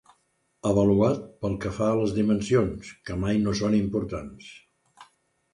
Avaluat pel que fa a les dimensions, que mai no són importants.